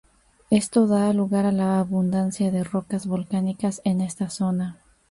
Esto da lugar a la abundancia de rocas volcánicas en esta zona.